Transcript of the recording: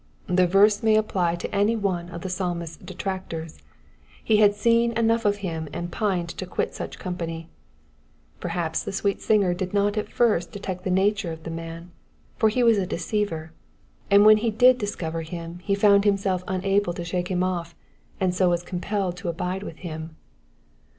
The verse may apply to any one of the Psalmist^s detractors : he had seen enough of him and pined to quit such company. Perhaps the sweet singer did not at first detect the nature of the man, for he was a deceiver ; and when he did dis cover him he found himself unable to shake him off, and so was compelled to abide with him.